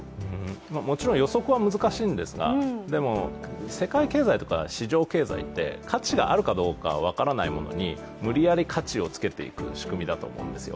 もちろん予測は難しいんですが世界経済とか市場経済って価値があるかどうか分からないものに無理やり価値をつけていく仕組みだと思うんですよ。